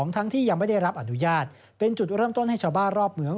ทั้งที่ยังไม่ได้รับอนุญาตเป็นจุดเริ่มต้นให้ชาวบ้านรอบเมือง